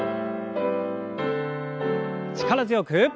力強く。